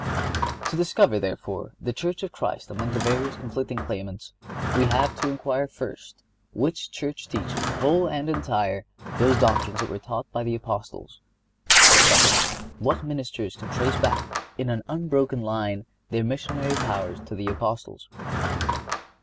To discover, therefore, the Church of Christ among the various conflicting claimants we have to inquire, first, which church teaches whole and entire those doctrines that were taught by the Apostles; second, what ministers can trace back, in an unbroken line, their missionary powers to the Apostles.